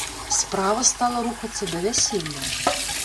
Справа стала рухацца да вяселля.